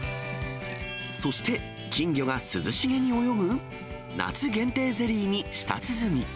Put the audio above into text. そして、金魚が涼しげに泳ぐ夏限定ゼリーに舌鼓。